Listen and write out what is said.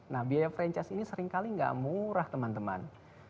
nah biaya franchise ini seringkali gak murah teman teman